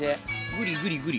ぐりぐりぐり。